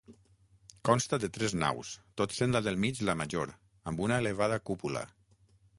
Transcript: Consta de tres naus, tot sent la del mig la major, amb una elevada cúpula.